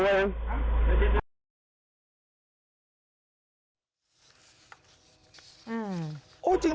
โบยัง